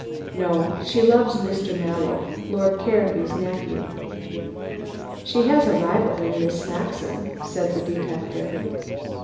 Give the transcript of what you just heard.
"No. She loves Mr. Mallow, Lord Caranby's nephew." "She has a rival in Miss Saxon," said the detective.